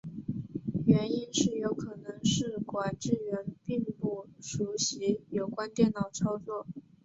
原因有可能是管制员并不熟习有关电脑操作。